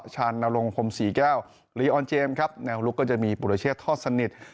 ชานนโรงภมสี่แก้วลีออนเจมส์ครับแนวลุกก็มีปุริเชษรทอสสนนิท